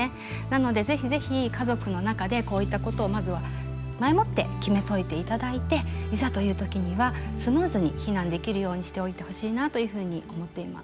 なので是非是非家族の中でこういったことをまずは前もって決めといていただいていざという時にはスムーズに避難できるようにしておいてほしいなというふうに思っています。